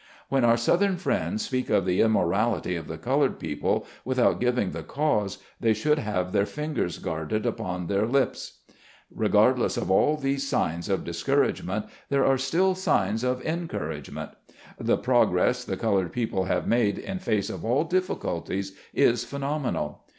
When our southern friends speak of the immorality of the colored people, without giving the cause, they should have their fingers guarded upon their lips. Regardless of all these signs of discouragement there are still signs of encouragement. The prog RETROSPECT. 139 ress the colored people have made in face of all difficulties is phenomenal.